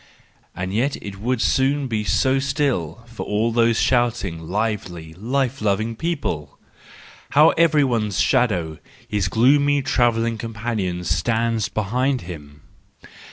And yet it will soon be so still for all these shouting, lively, life loving people! How everyone's shadow, his gloomy travelling companion stands behind him